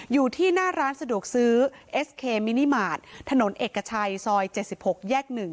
อยู่ที่หน้าร้านสะดวกซื้อเอสเคมินิมารถนนเอกชัยซอยเจสสิบหกแยกหนึ่ง